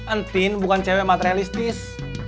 entin bukan cewek materialistis